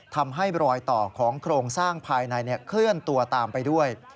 ทำให้รอยต่อของโครงสร้างภายในเคลื่อนตัวตามไปด้วย